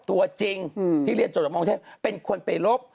ตัวจริงที่เรียนจริงจริงมเทพฯเป็นคนไปรบ